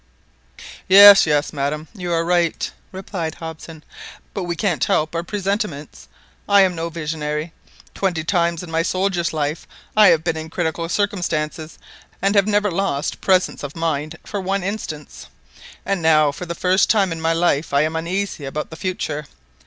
"Yes, yes, madam, you are right," replied Hobson; "but we can't help our presentiments. I am no visionary. Twenty times in my soldier's life I have been in critical circumstances, and have never lost presence of mind for one instant; and now for the first time in my life I am uneasy about the future.